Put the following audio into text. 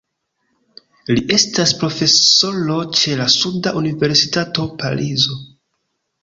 Li estas profesoro ĉe la suda universitato Parizo.